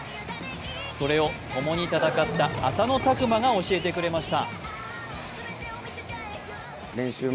それをともに戦った浅野拓磨が教えてくれました。